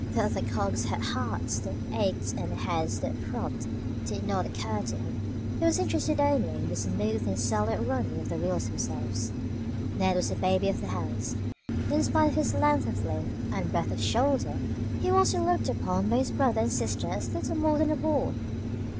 That the cogs had hearts that ached and heads that throbbed did not occur to him. He was interested only in the smooth and silent running of the wheels themselves. Ned was the baby of the house. In spite of his length of limb and breadth of shoulder he was still looked upon by his brother and sister as little more than a boy.